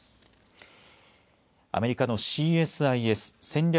アメリカのＣＳＩＳ・戦略